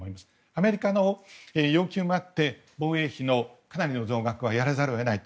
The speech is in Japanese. アメリカの要求もあり防衛費のかなりの増額はやらざるを得ない。